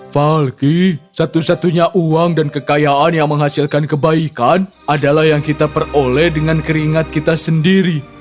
falky satu satunya uang dan kekayaan yang menghasilkan kebaikan adalah yang kita peroleh dengan keringat kita sendiri